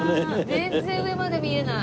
全然上まで見えない。